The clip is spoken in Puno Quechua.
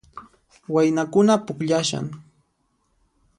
Waynakuna pukllashan